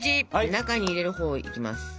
中に入れるほうをいきます。